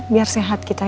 biar sehat kita ya